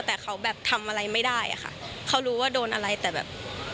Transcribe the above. แต่เขาแบบทำอะไรไม่ได้อะค่ะเขารู้ว่าโดนอะไรแต่แบบ